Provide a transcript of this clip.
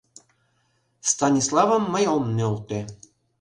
Станиславым мый ом нӧлтӧ